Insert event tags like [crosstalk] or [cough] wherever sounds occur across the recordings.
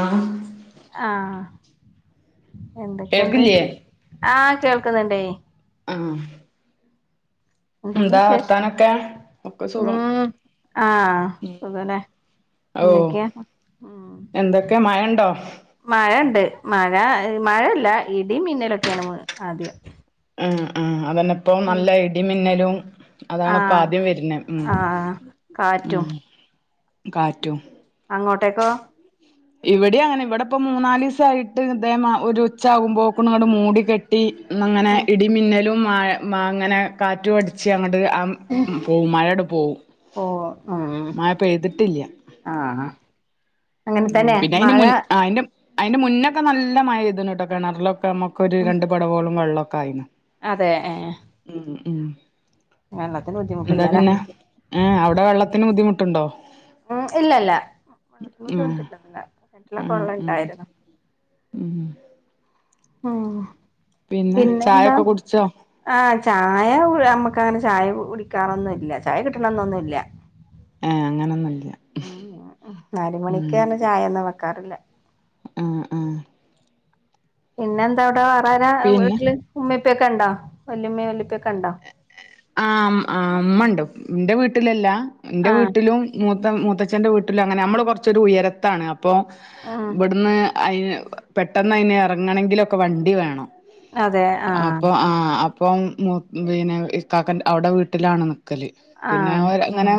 ആഹ ആഹ എന്തൊക്കെണ്ട് കേൾക്കില്ലേ ആഹ കേൾക്കുന്നുണ്ടേ ആഹ എന്തൊക്കെ വിശേഷം വർത്താനൊക്കെ ഒക്കെ സുഖം ഉം ആഹ് സുഖല്ലേ ഓ എന്തൊക്കെയാ എന്തൊക്കെ മയണ്ടോ മഴ ഇണ്ട് മഴ മഴല്ല ഇടി മിന്നലൊക്കെണ് ആദ്യം ഉം ആ അതന്നെ ഇപ്പൊ ഉം നല്ല ഇടിം മിന്നലും അതാണ് ഇപ്പൊ ആഹ് ആദ്യം വരുന്നേ ഉം ആഹ് ഉം കാറ്റും കാറ്റും അങ്ങോട്ടേക്കോ ഇവിടെം അങ്ങനെ ഇവിടെപ്പൊ മൂന്നാലീസായിട്ട് ദേ മാ ഒരു ഉച്ച ആകുമ്പോക്ക്നും ഇങ്ങട് മൂടി കെട്ടി അങ്ങനെ ഉം ഇടിമിന്നലും മ അങ്ങനെ കാറ്റും അടിച്ച് അങ്ങോട്ട് പോവും മഴ അട് പോവും ഓ മഴ പേയിതിട്ടില്ല ആഹാ അങ്ങനെ ഉം തന്നെ പിന്നെ അയിന്റെ മഴ മുൻ അയിന്റെ അയിന്റെ മുന്നൊക്കെ നല്ല മഴ പെയ്ത്ണ് ട്ടോ കിണറിലൊക്കെ നമ്മുക്കൊരു ഉം രണ്ട് പടവോളം വെള്ളൊക്കെ ആയിന്ന് അതെ ഏഹ് ഉം ഉം വെള്ളത്തിന് എന്താ ബുദ്ധിമുട്ടില്ലല്ലേ പിന്നെ ഏഹ് അവ്ടെ വെള്ളത്തിന് ബുദ്ധിമുട്ട്ണ്ടോ? ഉം ഇല്ല ഇല്ല. നമ്ക്ക് വെള്ളത്തിന് ആഹ് ബുദ്ധിമുട്ടില്ല അങ്ങനെ. കെൻറ്റിലൊക്കെ വെള്ളണ്ടായിരുന്നു. ഉംഉം ആഹ് പിന്നെ പിന്നെന്താ? ചായൊക്കെ കുടിച്ചോ ആഹ് ചായ നമ്മക്ക് അങ്ങനെ ചായ കുടിക്കാറൊന്നുല്ല. ചായ കിട്ടണംന്നൊന്നുല്ല. ഏഹ് അങ്ങനൊന്നുല്ല ഉം ഉം. നാല് മണിക്ക് പർഞ്ഞ് ചായൊന്നും വെക്കാറില്ല. ഉം ഉം. പിന്നെന്താ അവിടെ വേറാരാ പിന്നെ വീട്ടില്. ഉമ്മി ഉപ്പ്യൊക്കെണ്ടോ, വല്യുമ്മിം വല്യുപ്പ്യൊക്കെണ്ടോ? ആഹ് ഇമ് ആഹ് ഇമ്മണ്ട് ഇന്റെ വീട്ടിലല്ല. എന്റെ ആഹ് വീട്ടിലും മൂത്ത മൂത്തച്ഛന്റെ വീട്ടിലും അങ്ങനെ. നമ്മള് കൊർച്ചൊരു ഉയരത്താണ് അ പ്പൊ ഉം ഇവട്ന്ന് അയ്ന് പെട്ടെന്ന് അയ്ന് എറങ്ങണങ്കിലൊക്കെ വണ്ടി വേണം. അതെ ആഹ് അപ്പൊ ആഹ് അ പ്പം മൂ പിന്നെ ഇക്കാക്കൻ്റെ അവ്ടെ വീട്ടിലാണ് നിക്കല്. പിന്നെ ആഹ് ഓൽ ങ്ങനെ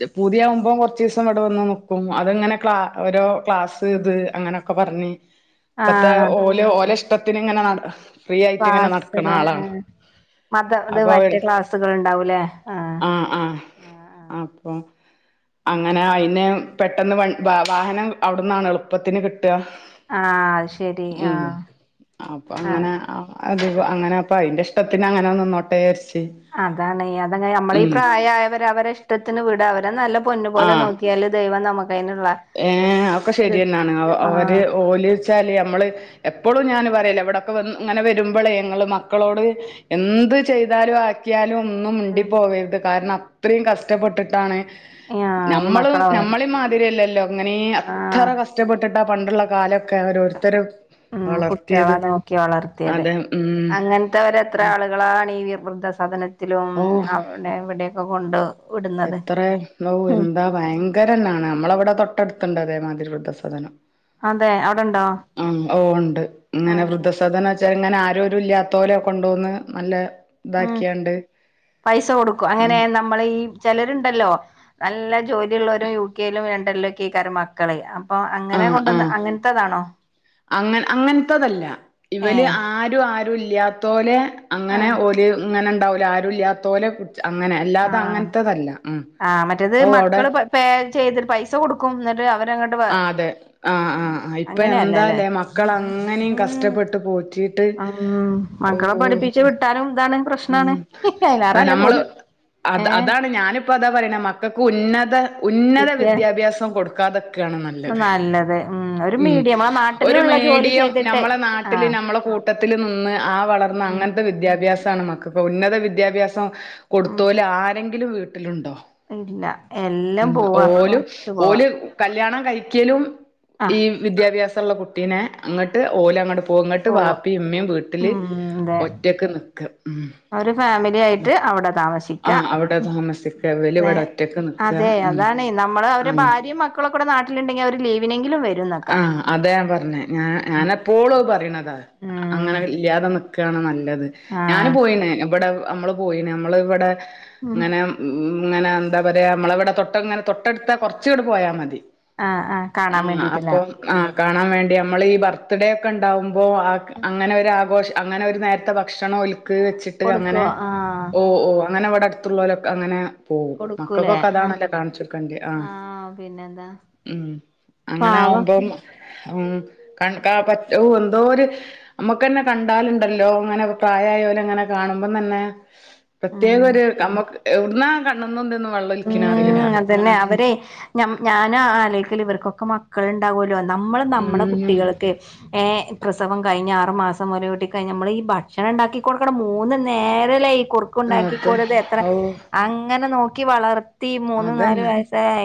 ത് പൂതിയാവുമ്പോം കൊർച്ചീസം ഇവടെ വന്ന് നിക്കും. അത്ങ്ങനെ ക്ലാ ഓരോ ക്ലാസ് ഇത് അങ്ങനൊക്കെ പർഞ്ഞ് ഉ [inaudible] ഇപ്പത്തെ ഓല് ഓലെഷ്ടത്തിന് ഇങ്ങനെ നട് ക്ലാസ്സ് ലെ ആഹ് മതം ഇത് മറ്റേ അപ്പൊ ക്ലാസ്സുകൾ ഇണ്ടാവു ലേ. ആ ആഹ് ആഹ്. അപ്പൊ, അങ്ങനെ അയിന് പെട്ടെന്ന് വൺ വാഹനം അവ്ട്ന്നാണ് എളുപ്പത്തിന് കിട്ടാ. അത് ശരി ഉം ആഹ് അപ്പൊ ആഹ് അങ്ങനെ ആ അധികു അങ്ങനെ അപ്പ അയിന്റെ ഇഷ്ടത്തിന് അങ്ങനെ നിന്നോട്ടേ വിചാര്ച്ച്. അതാണേ. അതങ്ങനെ നമ്മളെ ഈ പ്രായായവരെ അവരെ ഇഷ്ടത്തിന് വിട അവരെ നല്ല പൊന്നുപോലെ ആഹ് നോ ക്ക്യാല് ദൈവം നമുക്കയ്ന്ള്ളെ ഏഹ്. അതൊക്കെ ശരിയെന്നാണ്. അവര് ഓല് ച്ചാല് നമ്മള് എപ്പളും ഞാൻ പറയലാ, ഇവടൊക്കെ വ ഇങ്ങനെ വരുമ്പളേ ഇങ്ങള് മക്കളോട് എന്ത് ചെയ്താലും ആക്കിയാലും ഒന്നും മിണ്ടി ആഹ് പോവരുത് കാരണം അ ത്രിം കസ്ടപ്പെട്ടിട്ടാണ് ഈ നമ്മള് മക്കളെ വളർ നമ്മളിം മാതിരിയല്ല ഇങ്ങനീ അത്ര ആഹ് കഷ്ടപ്പെട്ടിട്ടാ പണ്ടുള്ള കാലൊക്കെ ഒരോരുത്തരും ഉം കുട്ട്യാളെ നോക്കി വളർത്തിയത്. അതെ ഉം അങ്ങൻത്തെവരെത്ര ആള് കളാണ് ഈ വിർ ദ്ധ സദനത്തിലും ഔ അവ്ടിം ഇവട്യെക്കൊ കൊണ്ടു എത്രെ ഔഹ് എന്താ ഭയങ്കരന്നാണ് നമ്മളവടെ തൊട്ടട്ത്ത്ണ്ട് അതേമാതിരി വൃദ്ധസദനം. അതെ അവിടെണ്ടോ ആമ്മ് ഓഹ് ണ്ട്. ഇങ്ങനെ ആഹ് വൃദ്ധ സദനം വെച്ചാൽ ങ്ങനെ ആരോരു ഇല്ലാതോലെ കൊണ്ടോന്ന് നല്ല ഉം ഇതാക്കിയാണ്ട് പൈസ കൊടുക്കും അങ്ങ് അങ്ങനേണ് നമ് മളീ ചെലര്ണ്ടല്ലോ നല്ല ജോലിള്ളോരും യു കെ യിലും ലണ്ടനിലൊക്കേകാരം മ ക്കളേ. അപ്പൊ അങ്ങനെ കൊണ്ടന്ന് അങ്ങൻത്തെതാണോ. അങ്ങൻ അങ്ങൻത്തതല്ല ഇവല് ഏഹ് ആരും ആ രുല്ല്യാത്തോലെ അങ്ങനെ ആഹ് ഓല് ഇങ്ങനെ ഇണ്ടാവൂലെ ആരുല്ല്യാത്തോലെ കി അങ്ങനെ അല്ലാതെ ആഹ് അങ്ങനത്തെതല്ല ഉം. ആഹ് മറ്റേത് ഔഹ് അവടെ മക്കള് പേ ചെയ്തിട്ട് പൈസ കൊടുക്കും ഇന്നട്ട് അവരങ്ങ് ആഹ് അതെ ആഹ് ആഹ് ആഹ്. ഇപ്പ അങ്ങനെയല്ലല്ലേ എന്താലേ മക്കളെ അങ്ങനിം കസ്ടപ്പെട്ട് പോറ്റീ ഔവ് മക്കളെ പഠിപ്പിച്ച് വിട്ടാലും ഇതാണ് പ്രശ്നാണ്. ഉം അയലാറെ ആ നല്ലത് ഓല്, ഏഹ്? ഇപ്പതാ പറയ്ണെ മക്കക്ക് ഉന്നത ഉന്നത വിദ്യ വിദ്യാഭ്യാസം കൊടുക്കാതെ ക്കാണ് നല്ലത്. ഉം ഒരു ഉം മീഡിയം നമ്മളെ ഒരു നാട്ടിലുള്ള ജോലി മീഡിയം ചെയ്തിട്ട് നമ്മളെ നാട്ടില് ആഹ് നമ്മള കൂ ട്ടത്തില് നിന്ന് ആ വളർന്ന് ഉം അങ്ങന ത്തെ വിദ്യാഭ്യാസാണ് മക്കക്ക്. ഉന്നത വിദ്യാഭ്യാസം ഉം കൊടുത്തോല് ആരെങ്കിലും വീട്ടിലുണ്ടോ? ഇല്ല. എല്ലാം ഉം പോവാ ഓലും പൊറത്ത് പോവാ. ഓല് കല്യാണം കഴിക്കലും ആഹ് ഈ വിദ്യാഭ്യാസള്ള കുട്ടീനെ അങ്ങട്ട് ഓല് അങ്ങട് പോകും. ങട്ട് പോവാ വാപ്പേം ഉമ്മേം വീട്ടില് ഒറ്റക്ക് നിക്ക ഉം അവര് ഫാമിലി ആയിട്ട് അവിടെ താമസി ക്ക. ആഹ് അവിടെ താമസിക്ക ഇവല് ഇവിടെ ഒറ്റക്ക് നിക്ക അതെ ഉം അതാണെ നമ്മള് അവരെ ആഹ് ഭാര്യേം മക്ക ക്കളുകൂടെ നാട്ടിലുണ്ടെി അവര് ലീവിനെങ്കിലും വരും. ആഹ് അതെ ഞാൻ പറഞ്ഞേ. ഞ ഞാനെപ്പോളും അത് പറീണതാ ഉം അങ്ങനെ ഇല്ലാതെ നി ക്കാണ് നല്ലത്. ഞാൻ ആഹ് പോയിണ് ഇവിടെ നമ്മള് പോയിന് നമ്മളിവിടെ ഉം ഇങ്ങനെ ഉം ങ്ങനെ എന്താ പറയാ നമ്മളവിടെ തൊട്ടങ്ങനെ തൊട്ടടുത്താ കൊറച്ച്ങ്ങനെ പോയാ മതി. ആഹ് ആഹ്, കാണാൻ വേണ്ടിട്ടല്ലേ. ആഹ് കാണാൻ വേണ്ടി. നമ്മള് ഈ ബർത്ത്ഡേക്കെ ഇണ്ടാവുമ്പോ അങ്ങനെ ഒരു ആഘോഷ അങ്ങനെ ഒരു നേരത്തെ ഭക്ഷണം ഓല്ക്ക് വെച്ചിട്ട് കൊടുക്കോ അങ്ങനെ ആഹ് ഓഹ് ഓഹ് അങ്ങനെ അവിടെടു ത്തുള്ളോലൊക്കെ അങ്ങനെ പോവും. കൊടുക്കൂലേ മക്കക്കൊക്കെ ആഹ് അതാണല്ലെ കാണിച്ച് കൊട്ക്കണ്ടെ. ആഹ് ഉം അങ്ങനെ പാവം ആകുമ്പം ഉം കൺ ക പറ്റ എന്തോ ഒരു നമ്മക്ക്തന്നെ കണ്ടാലുണ്ടല്ലോ അങ്ങനെ പ്രായായോലെ ഇങ്ങനെ കാണുമ്പം തന്നെ പ്രത്യേക ഉം ഒര് നമ്മക്ക് എവിടുന്നാ കണ്ണുന്നുള്ളീന്ന് വെള്ളം ഒലിക്കിനെന്നറിയില്ല. ഇങ്ങനെ ഉം ഞ്ഞം ഞാന് ആലോയ്ക്കില് ഇവർക്കൊക്കെ മക് മക്കളുണ്ടാവുല്ലോ നമ്മള് നമ്മടെ ഉം കുട്ടികൾക്ക് ഏഹ് പ്രസവം കഴിഞ്ഞ് ആറ് മാസം മുലയൂട്ടി കഴിഞ്ഞ് നമ്മള് ഈ ഭക്ഷണം ഇണ്ടാക്കി കൊടുക്കണ മൂന്ന് നേരല്ലേ ഈ കുറു ക്കുണ്ടാക്കി അതെ കൊട്ത്ത് എത്ര ഔ അങ്ങനെ നോക്കി വളർത്തി മൂന്ന് നാല് അതന്നെ വയസ്സായ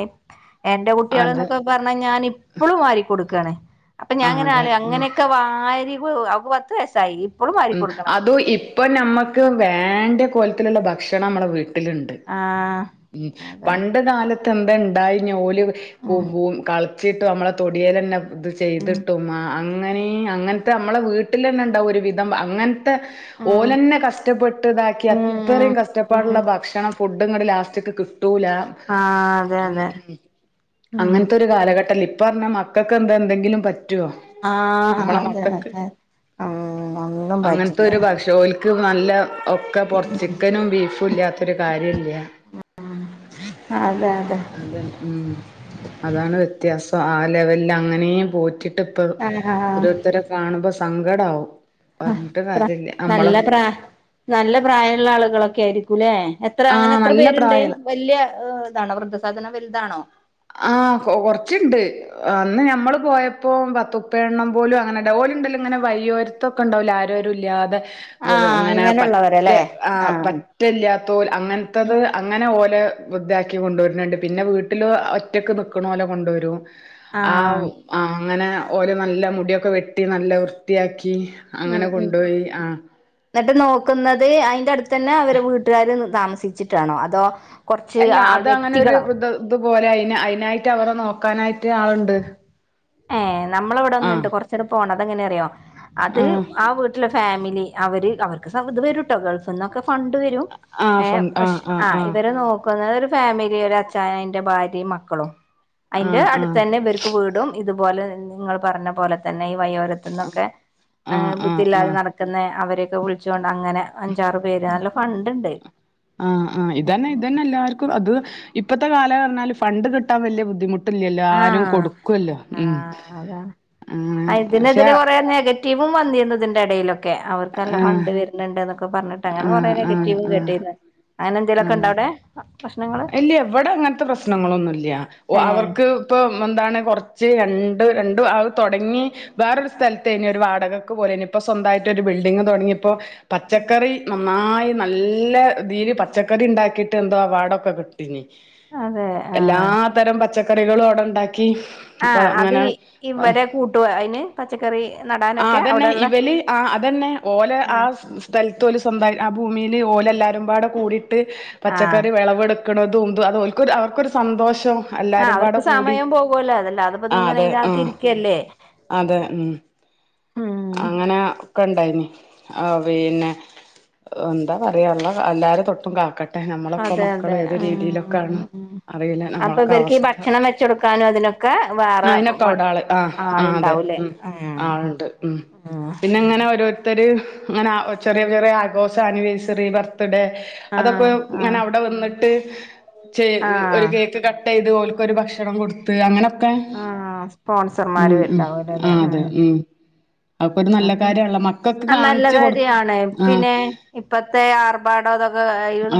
എന്റെ അത് കുട്ടികള്ന്നൊക്കെ പറഞ്ഞാ ഞാനിപ്പഴും വാരി കൊടുക്കാണ്. അപ്പ ആ ഞാനിങ്ങനെ അതെ ആലോയി ഉം അങ്ങനെക്കെ വാരി ഇപ്പ പത്ത് വയസായി. ഉം അതു ഇപ്പ നമ്മക്ക് വേണ്ട കോലത്തിലുള്ള ഭക്ഷണം നമ്മടെ വീട്ടി ല്ണ്ട്. ആഹ് ഉം അതെ പണ്ട് കാല ത്തെന്താണ്ടായിഞ്ഞെ? ഓല് പോ ഉം പൂ കളിച്ചിട്ട് നമ്മളെ തൊടിയൽന്നെ ഉം ചെയ്തിട്ടും അങ്ങനേ അങ്ങനത്തെ നമ്മളെ വീട്ടില് തന്നെണ്ടാവും ഒരു വിധം അങ്ങന ഉം ഓലന്നെ കഷ്ടപ്പെട്ടിതാക്കി അ ഉം ഇത്രേം കഷ്ടപ്പാടുള്ള ഉം ഭക്ഷണം ഫുഡങ്ങട് ലാസ്റ്റക്കെ കിട്ടു ട്ടൂല്ല. ആഹ് അതെ അതെ ഉം അങ്ങനത്തെ ഒരു കാലഘട്ടല്ലേ ഇപ്പ പറഞ്ഞാ മക്ക ക്കെന്താ എന്തെങ്കിലും പ ആഹ് അതെ അതെ ആഹ് അങ്ങനത്തെ ഒരു ഭക്ഷോ ഇതു നല്ല ഒക്കെ പൊറ ചിക്കനും ബീഫും ഇല്ലാത്തൊരു കാര്യല്ല. അതെ അതെ അതന്നെ ഉം അതാണ് വ്യത്യാസം ആ ലെവലില് അങ്ങനേ പോറ്റി ട്ടിപ്പ ആഹ് ഓരോരുത്തരെ കാണുമ്പോ സങ്കടാവും. ആഹ് പറഞ്ഞിട്ട് പ്ര കാര്യല്ല നമ്മള് നല്ല പ്രായ നല്ല പ്രായമുള്ള ആളുകളൊക്കെ ആയിരിക്കൂല്ലേ, എത്ര അങ്ങനെ ആഹ് എത്ര നല്ല പേരുണ്ട്? പ്രായള്ള വല്ല്യ ഇതാണോ വൃദ്ധസധനം വലുതാണോ? ആഹ് കൊ കൊർച്ച്ണ്ട് അന്ന് ഞമ്മള് പോയപ്പോ പത്തുപ്പെണ്ണം പോലും അങ്ങനെല്ല ഓല്ണ്ടല്ലൊങ്ങനെ വയ്യോര് ത്തൊക്കെ ണ്ടാവൂലെ ആരോരുല്ലാതെ വ് ആഹ് ഇങ്ങനെ പറ്റെ അങ്ങനെയുള്ളവരല്ലേ ആഹ് പറ്റ് പറ്റല്ലാത്തോൽ അങ്ങൻത്തത് അങ്ങനെ ഓലെ വൃദ്ധാക്കി കൊണ്ടോര്ണ് ണ്ട് പിന്നെ വീട്ടില് ഒ ഒറ്റക്ക് നിക്ക്ണോലെ കൊണ്ടോരും ആഹ് ആഹ് അങ്ങനെ ഓലെ നല്ല മുടിയൊക്കെ വെട്ടി നല്ല വൃത്തിയാക്കി അങ്ങനെ കൊണ്ടോയി ആഹ് ന്ന്ട്ട് നോക്കുന്നത് അയ്ന്റട്ത്തെന്നെ അവരെ വീട്ടാര് താമസിച്ചിട്ടാണോ അതോ കൊർച്ച് അല്ല ആഹ് അത് അങ്ങനെ ഒരു വ്യക്തികളോ ഇത് ഇതുപോലെ അയ്ന് അയ്നായിട്ട് അവരെ നോക്കാനായിട്ട് ആള്ണ്ട് ഏഹ് നമ്മളെവടെ ഒന്ന്ണ്ട് കൊർച്ചണ്ട് പോണം അതെങ്ങെനറിയോ അത് ആഹ് വീട്ട് ത്ത്ള്ള ഫാമിലി അവര് അവര്ക്ക് ഇത് വെരു ട്ടൊ ഗൾഫ്ന്നൊക്കെ ഫണ്ട് വെരും ആഹ് ഏഹ് ഫൺ ആഹ് പഷ് ആഹ് ആഹ് ഇവരെ നോ [unintelligible] ഒരു ഫാമിലി ഒരു അച്ചാ അയ്ന്റെ ഭാര്യയും മക്കളും അയ്ന്റെ ആഹ് ആഹ് അട്ത്തെന്നെ ഇവർക്ക് വീടും ഇതുപോലെ നിങ്ങള് പർഞ്ഞ പോലെത്തെന്നെ ഈ വയ്യോരത്ത്ന്നൊക്കെ ഹ് ആഹ് ആഹ് ബുദ്ധില്ലാതെ ആഹ് നട ക്ക്ന്നെ അവരൊക്കെ വിളിച്ചോണ്ട് അങ്ങനെ അഞ്ചാറ് പേര് നല്ല ഫണ്ട്ണ്ട് ആഹ് ആഹ് ഇതെന്നെ ഇതെന്നെ എല്ലാർക്കും അത് ഇപ്പത്തെ കാലം പർഞ്ഞാല് ഫണ്ട് കിട്ടാൻ വെല്യ ബുദ്ധിമുട്ട് ട്ട്ല്ലല്ലോ ആ ആരും കൊടുക്കല്ലോ ആ ഉം അതാണ് ആഹ് പക്ഷെ റ്റീവും വന്നിന്നു ഇതിന്റെ എടേലൊക്കെ അവർക്കല്ല ആഹ് ഫണ്ട് വെര് ര്ണ് ണ്ട് ന്നൊക്കെ പർഞ്ട്ട് അങ്ങനെ കൊറെ ആഹ് ആഹ് നെഗറ്റീവും ആഹ് കേട്ടീന്നു ആഹ് അങ്ങനെന്തേലൊക്കെണ്ടോ വടെ ഇല്ല ഇവടെ അങ്ങൻത്തെ പ്രശ്നങ്ങളൊന്നുംല്ല ഒ ഏ അവർക്ക് ഇപ്പം എന്താണ് കൊർച്ച് രണ്ട് രണ്ട് അത് തൊടങ്ങി വേറൊരു സ്ഥൽത്തേനി ഒരു വാടകക്ക് പൊരേനി ഇപ്പൊ സ്വന്തായിട്ടൊരു ബിൽഡിങ് തൊടങ്ങിപ്പോ പച്ചക്കറി നന്നായി നല്ല തീല് പച്ചക്കറിണ്ടാക്കിട്ടെന്തോ അവാടൊ ക്കെ കിട്ടീനി അതെ എല്ലാ തരം പച്ചക്കറികളും അവടെ ണ്ടാക്കി ആഹ് അത് ഇവരെ കൂട്ടോ അയ്ന് പച്ചക്കറി നടാൻ ആഹ് അതെന്നെ ഇവല് ആഹ് അതെന്നെ ഓലെ ആ ആഹ് സ്ഥലത്ത് ഓല് സ്വന്തായി ആ ഭൂമില് ഓലെല്ലാരുംപാടെ കൂടിട്ട് ആ പച്ചക്കറി വെളവെടുക്ക ക്ക്ണതും തും അതോൽക്കൊരു അവർക്കൊരു സന്തോഷം ആഹ് എല്ലാരുംപാടെ അവർക്ക് കൂടി സമയം പോകുവല്ലോ അതല്ലാതെ ആ ഇത്പ്പത്ങ്ങനെ അതെ ആ ഇതിനാത്ത് രിക്കല്ലേ അതെ ഉം അങ്ങനെ ഒക്കെ ണ്ടായിന് ആഹ് പിന്നെ എന്താ പറയാ അള്ള എല്ലാരെ തൊട്ടും കാക്കട്ടെ ട്ടെ നമ്മളൊക്കെ അതെ മക്കള് അതെ ഏത് രീതിയിലൊക്കാണ് ഉം അറില്ല അപ്പൊ ഇവർക്ക് ഈ നമ്മളൊക്കവസ്ഥ ഭക്ഷണം വെച്ചൊടുക്കാനും അതിനൊക്കെ വേറെ അയ്നൊക്കെവടെ ആള് ആ ആ അതെ ആളുണ്ടാവൂലേ ഉം ഉം ആ ണ്ട് ഉം പിന്നെങ്ങനെ ഒരോ ര്ത്തര് ങ്ങനെ ചെറിയ ചെറിയ ആഘോഷാനിവേഴ്സറി ബർത്ത്ഡേ ആഹ് അതൊക്കെ ആഹ് ങ്ങനവടെ വന്നിട്ട് ചെ ഒരു ആഹ് കേക്ക് കട്ടെയ്ത് ഓല്ക്കൊരു ഭക്ഷണം കൊടു ത്ത് അങ്ങനൊക്കെ ആഹ് ഉം സ്പോൺസർമാര് ഉം ഉണ്ടാവൂലല്ലേ ആഹ് അതെ ഉം അത് പ്പൊരു നല്ല ഒക്കെ കാര്യാള്ളോ മക്കക്ക് ആഹ് നല്ല കാൺച്ച് കൊട് കാര്യാണ് ആ പിന്നെ ഇപ്പത്തെ ആർ - ബാടും ഇതൊക്കെ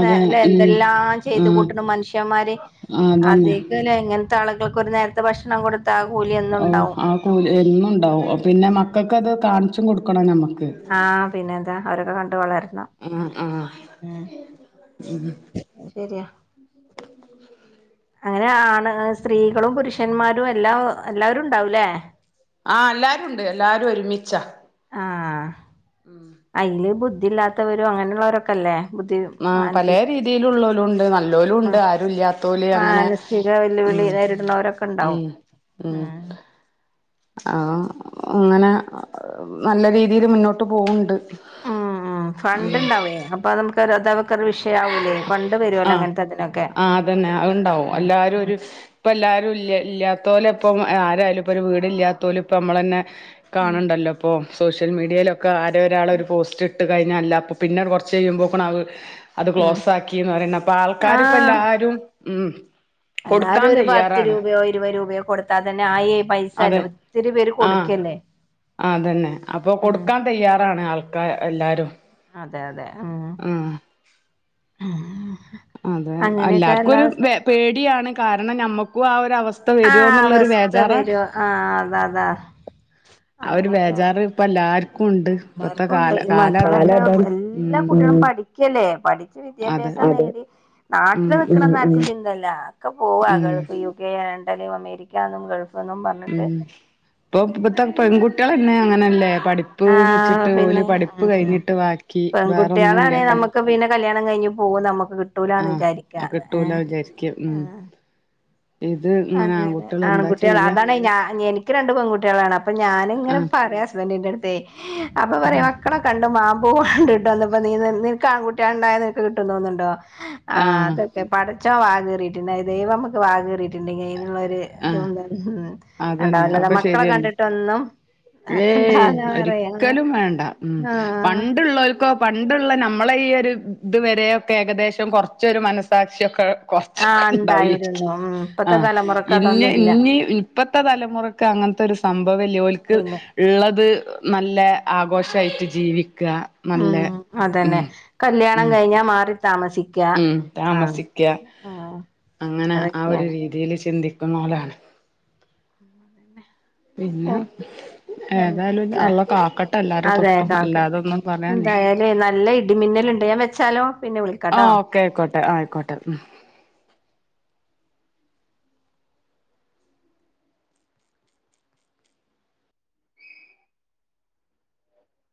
അതെ ഉം എന്തെല്ലാം ചെയ്ത് ആഹ് കൂട്ട്ണ് മൻഷ്യന്മാര് ആഹ് അത് അതന്നെ ന്താലെ ഇങ്ങൻത്തെ ആളുകൾക്കൊരു നേരത്തെ ഭക്ഷണം കൊടു ത്താ കൂലി എന്നും ഓഹ് ഉണ്ടാവും ആഹ് കൂലി എന്നുംണ്ടാവും പിന്നെ ഉം മക്കക്ക് അത് കാണിച്ചും കൊടുക്കണം നമ്മക്ക് ആഹ് പിന്നെന്താ അവരൊക്കെ കണ്ട് വളരണം ആഹ് ആഹ് ഉം അഹ് ശരിയാ [inaudible] അങ്ങനെ ആണ് സ്ത്രീകളും പുരുഷന്മാരും എല്ലാം എല്ലാവരും ഉണ്ടാവൂലേ? ആഹ് എല്ലാരും ഉണ്ട് എല്ലാരും ഒരുമിച്ചാ ആഹ് അയില് ബുദ്ധിയില്ലാത്തവരും അങ്ങനെയുള്ളവരൊക്കെ അല്ലേ? ആഹ് പലേ രീതിയിലുള്ളോലുംണ്ട് ന മ ല്ലോലുംണ്ട് ആരും ഇല്ല്യാത്തോല് അങ്ങനെ മാനസിക വെല്ലുവിളി ഉം നേരിടുന്നവരൊക്കെ ഉം ഉണ്ടാവും ഉം ആഹ് അങ്ങനെ നല്ല രീതിയില് മുന്നോട്ട് പോക്ണ്ട് ഉം ഉം ഫണ്ട് ഇണ്ടാവേ അപ്പൊ നമുക്ക് അതൊക്കെ ഒരു വിഷയാവൂല്ലേ ഫണ്ട് വരുവൊല്ലോ? ഇങ്ങനത്തെ ഇതിനൊക്കെ? അതെന്നെ അഹ്ണ്ടാവും ഉം എല്ലാരും ഒരു ഉം ഇപ്പൊ എല്ലാരും ഇല്ല്യ ഇല്ല്യത്തോലൊപ്പം ഇപ്പൊ ആരായാലും ഇപ്പൊ ഒരു വീടില്ലാത്തോല് ഇപ്പ നമ്മളന്നെ കാണ് ണ്ടല്ലോ ഇപ്പോ സോഷ്യൽ മീഡിയയിലൊക്കെ ആരേ ഒരാള് ഉം ഒരു പോസ്റ്റ്ട്ട് കഴിഞ്ഞാ അല്ല അപ്പോ പിന്നെ കൊറച്ച് കഴിയുമ്പോൾക്ക് അത്‌ അത് ഉം ക്ലോസാക്കീന്ന് പറയും അപ്പ ആൾക്കാര് ഇപ്പൊ ആഹ് എല്ലാരും ഉം എല്ലാരും കൊടുക്കാൻ ഒരു പത്ത് തയ്യാറാണ് രൂപയോ ഇരുപത് രൂപയോ കൊടുത്താൽ തന്നെ ആയി അതെ പൈസല്ലോ ഒത്തിരി പേര് ആഹ് കൊടുക്കല്ലേ? ആഹ് അതന്നെ അപ്പൊ ഉം കൊടുക്കാൻ തയ്യാറാണ് ആൾക്കാര് എല്ലാരും അതെ അതെ ഉം ആഹ് ആഹാ അതെ എല്ലാർക്കും ഒരു പേടിയാണ് കാരണം ഞമ്മക്കും ആ ഒരു അവസ്ഥ വെരോന്നുള്ളൊരു വേജാറാ ആഹ് അത അതാ ആ ഒരു ബോജറ് ഇപ്പെല്ലാർക്കുംണ്ട് എല്ലാർക്കുണ്ട് ഈ മക്കള എല്ലാ ഉം കുട്ടികളും പഠിക്കല്ലേ പഠി ച്ച് അതെ വിദ്യാഭ്യാസം നേടി ഉം നാട്ടില് ഉം നിക്കണംന്നാർക്കും ചിന്തല്ല ഒക്കെ പോവാ ഉം ഗൾഫില് യു കെ ലണ്ടനും അമേരിക്കാന്നും ഗൾഫ് എന്നും പറഞ്ഞിട്ട് ഉം ഇപ്പൊ ഇപ്പത്തെ പെൺകുട്ടികളെന്നെ അങ്ങനെല്ലേ പഠി പ്പ് ആ എന്ന് വച്ചിട്ട് ഓല് പിന്നെ പഠിപ്പ് ഉം കഴിഞ്ഞിട്ട് വാക്കി വേറൊന്നുല്ല കല്യാ ക്കെ പിന്നെ കല്യാണം കഴിഞ്ഞ് പോകും നമുക്ക് കിട്ടൂലാന്ന് വിചാരിക്കാ ഏഹേ വിജാരിക്ക ഉം ഇത് ഇങ്ങനെ അങ്ങനെ ആൺകുട്ടികള് ആൺ എന്താ കുട്ടികള് ചെയ്യാ അതാണ് ഞാൻ എനിക്ക് രണ്ട് പെൺകുട്ടികളാണ് അപ്പൊ ഞാനിങ്ങനെ ആഹ് പറയാ ഹസ്ബന്റിന്റെ അടുത്തേ അപ്പൊ പറയാ മക്കളെ കണ്ടും മാമ്പൂവ് കണ്ടിട്ടൊന്നും ഇപ്പോ നീ നിന്ന് നിനക്ക് ആൺ കുട്ടിയാളുണ്ടായ നിനക്ക് കിട്ടും തോന്ന്ണ്ടോ? ആഹ് അതൊക്കെ പടച്ചോൻ വായ് കിറിയിട്ടുണ്ട ദൈവം നമുക്ക് വാകീ റിയിട്ടുണ്ടെങ്കി അതിനുള്ളൊരു അതു ആഹ് പോലാണ് ഉം അല്ലാതെ മക്കളെ കണ്ടിട്ടൊന്നും ഏയ്‌ ആക്കണ്ടാന്ന് പറയാ ഒരിക്കലും വേണ്ട ഉം ആഹ് പണ്ടുള്ളോൽക്ക് ഒ പണ്ടുള്ള നമ്മളെ ഈ ഒരു ഇത് വരെയൊക്കെ ഏകദേശം കൊറച്ചൊരു മനസ്സാക്ഷിയൊക്കെ കൊറച്ചൊക്കെ ആഹ് ഇണ്ടാവോയിരിക്കും ഉണ്ടായിരുന്നു ഉം ഇപ്പത്തെ ആഹ് തലമുറക്ക് ഇഞ്ഞ് അതൊന്നും ഇല്ല ഇഞ്ഞ് ഇപ്പത്തെ തലമുറക്ക് അങ്ങനത്തൊര് സംഭവല്ല്യ ഓൽക്ക് പിന്നെ ഇള്ളത് നല്ല ആഘോഷായിട്ട് ജീവിക്ക നല്ല ഉം ഉം ഞാ മാറി താമസി ഉം താമസിക്ക അങ്ങനെ ആ ഒരു അതൊക്കെയാണ് രീതീല് ചിന്തി ക്ക്ണോലാണ്. പിന്ന ഓഹ് ഉം ഏതാലും ന്നാ അള്ള കാക്കട്ടെ എല്ലാരതൊട്ടും അല്ലാതൊന്നും പറയാൻല്ല. ല്ലെ നല്ല ഇടിമിന്നല്ണ്ട് ഞാ വെച്ചാലോ? പിന്നെ വിളി ആഹ് ഓക്കെ അയിക്കോട്ടെ ആയിക്കോട്ടെ ഉം.